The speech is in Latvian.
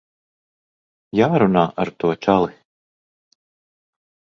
Jārunā ar to čali.